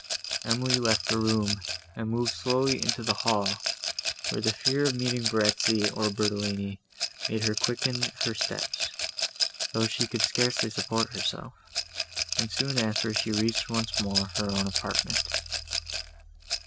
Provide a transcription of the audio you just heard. Emily left the room, and moved slowly into the hall, where the fear of meeting Verezzi, or Bertolini, made her quicken her steps, though she could scarcely support herself; and soon after she reached once more her own apartment.